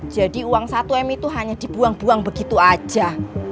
jadi uang satu m itu hanya dibuang buang begitu aja